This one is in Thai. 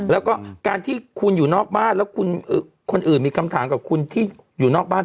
แล้วก็การที่คุณอยู่นอกบ้านแล้วคุณคนอื่นมีคำถามกับคุณที่อยู่นอกบ้าน